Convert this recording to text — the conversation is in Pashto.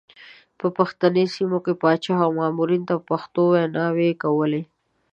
په پښتني سیمو کې پاچا او مامورینو ته په پښتو ویناوې کولې.